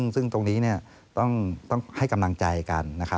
ซึ่งตรงนี้ต้องให้กำลังใจกัน